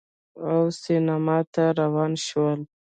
او سینما ته روان شول